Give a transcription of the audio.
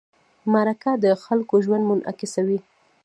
مرکه د خلکو ژوند منعکسوي.